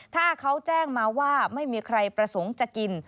ถ้าเขาแจ้งมาว่าไม่มีใครประสงค์จะกิน